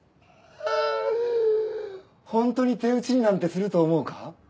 ホントに手打ちになんてすると思うか？